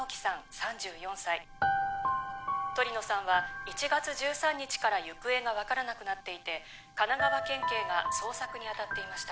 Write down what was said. ３４歳鳥野さんは１月１３日から行方が分からなくなっていて神奈川県警が捜索に当たっていました